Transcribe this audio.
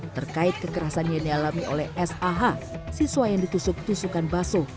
terkait kekerasan yang dialami oleh sah siswa yang ditusuk tusukan baso